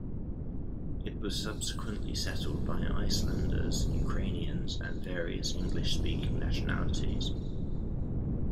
It was subsequently settled by Icelanders, Ukrainians and various English-speaking nationalities.